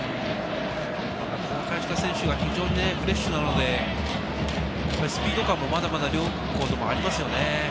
交代した選手が非常にフレッシュなので、スピード感がまだまだ両校ともありますよね。